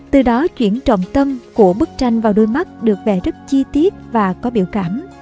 từ đó chuyển trọng tâm của bức tranh vào đôi mắt được vẽ rất chi tiết và có biểu cảm